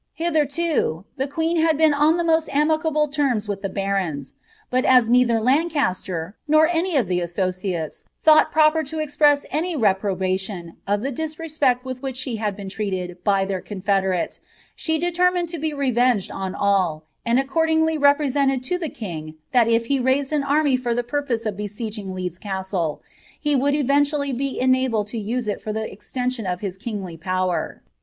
Hilherlo the queou bad been on the mc«t amicable terms with the bsroiu; but a* neither ! if i " nor any of the associates thought proper to exprcae any tvprobstiaa «f the disreepect witli which she had been treated by their cotOedentatibe determined to be revenged on all ; and accordingly represented to iht king thai if he raised an array for the piupoee of besieging Leeds Cwtk, he would eventually be enabled to use it for the extenciou of his kiniljr power.'